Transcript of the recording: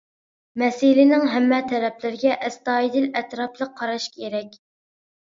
مەسىلىنىڭ ھەممە تەرەپلىرىگە ئەستايىدىل، ئەتراپلىق قاراش كېرەك.